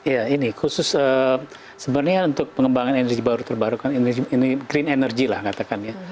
ya ini khusus sebenarnya untuk pengembangan energi baru terbarukan ini green energy lah katakan ya